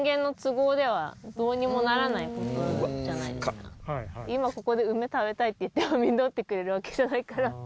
やっぱり今ここで梅食べたいって言っても実ってくれるわけじゃないから。